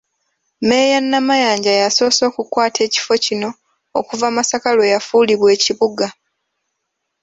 Mmeeya Namayanja y’asoose okukwata ekifo kino okuva Masaka lwe yafuulibwa ekibuga.